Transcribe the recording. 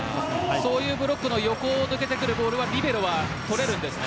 そういうブロックの横を抜けてくるボールはリベロは取れるんですね。